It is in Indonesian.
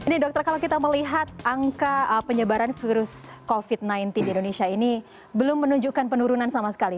ini dokter kalau kita melihat angka penyebaran virus covid sembilan belas di indonesia ini belum menunjukkan penurunan sama sekali